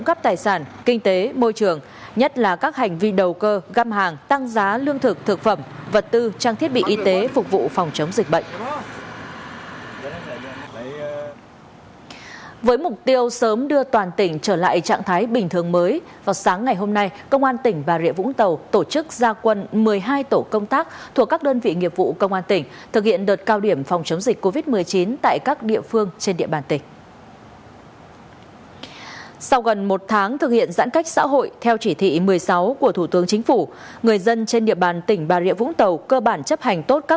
chín quỹ ban nhân dân các tỉnh thành phố trực thuộc trung ương đang thực hiện giãn cách xã hội theo chỉ thị số một mươi sáu ctttg căn cứ tình hình dịch bệnh trên địa bàn toàn cơ